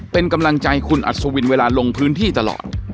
เป็นกำลังใจคุณอัศวินเวลาลงพื้นที่ตลอด